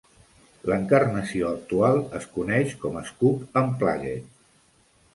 L'encarnació actual es coneix com "Scoop Unplugged".